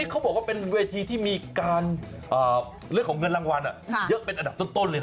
เขาบอกว่าเป็นเวทีที่มีการเรื่องของเงินรางวัลเยอะเป็นอันดับต้นเลย